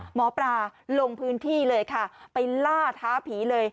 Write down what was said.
หมอปลาลงพื้นที่เลยค่ะไปล่าท้าผีเลย